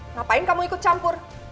ngapain kamu ikut campur